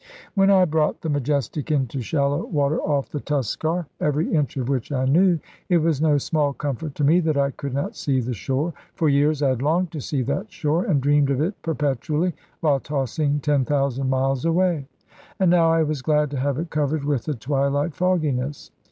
When I brought the Majestic into shallow water off the Tuskar, every inch of which I knew, it was no small comfort to me that I could not see the shore. For years I had longed to see that shore, and dreamed of it perpetually, while tossing ten thousand miles away; and now I was glad to have it covered with the twilight fogginess.